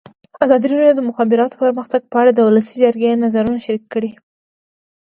ازادي راډیو د د مخابراتو پرمختګ په اړه د ولسي جرګې نظرونه شریک کړي.